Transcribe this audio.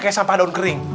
kayak sampah daun kering